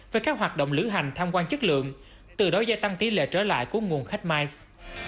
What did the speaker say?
với các hoạt động lữ hành tham quan chất lượng từ đó gia tăng tỷ lệ trở lại của nguồn khách mice